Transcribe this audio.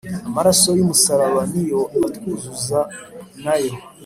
amaraso y'umusaraba ni yo atwuzuza na yo.